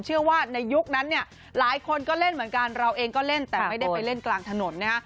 เชื่อว่าในยุคนั้นเนี่ยหลายคนก็เล่นเหมือนกันเราเองก็เล่นแต่ไม่ได้ไปเล่นกลางถนนนะฮะ